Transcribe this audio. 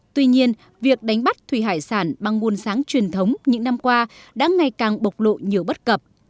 tuy nhiên việc đánh bắt thủy hải sản bằng nguồn sáng truyền thống những năm qua đã ngày càng bộc lộ nhiều bất cập